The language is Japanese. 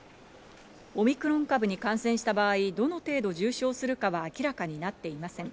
オミクロン株に感染した場合、どの程度重症化するかは明らかになっていません。